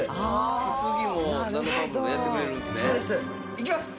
いきます！